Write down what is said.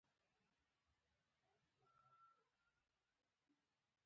د محصل لپاره صبر ډېر اړین دی.